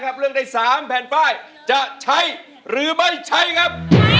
นะครับเรื่องในสามแผ่นป้ายจะใช้หรือไม่ใช้ครับ